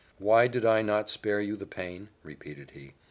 "Why did not I spare you the pain?" repeated he.